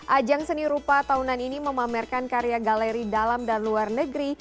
ajang seni rupa tahunan ini memamerkan karya galeri dalam dan luar negeri